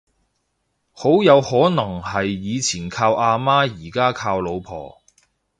好有可能係以前靠阿媽而家靠老婆